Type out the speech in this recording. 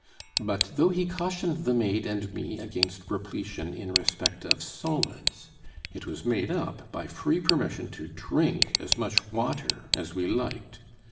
But though he cautioned the maid and me against repletion in respect of solids, it was made up by free permission to drink as much water as we liked.